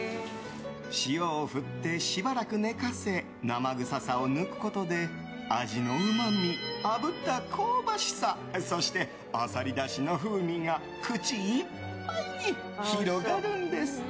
塩を振って、しばらく寝かせ生臭さを抜くことでアジのうまみあぶった香ばしさそして、アサリだしの風味が口いっぱいに広がるんです。